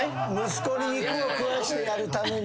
息子に肉を食わしてやるために。